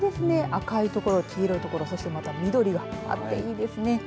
赤い所、黄色い所緑があっていいですね。